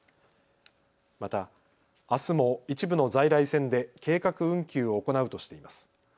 またあすも一部の在来線で計画運休を行うとしています。